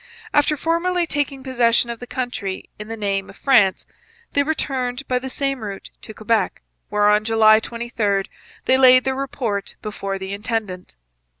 After formally taking possession of the country in the name of France, they returned by the same route to Quebec, where on July 23 they laid their report before the intendant.